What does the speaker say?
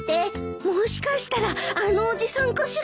もしかしたらあのおじさんかしら？